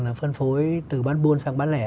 là phân phối từ bán buôn sang bán lẻ